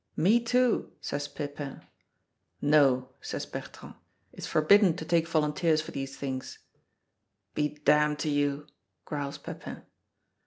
"Me too!" says Pepin. "No," says Bertrand, "it's forbidden to take volunteers for these things." "Be damned to you!" growls Pepin.